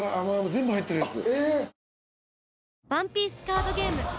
全部入ってるやつ。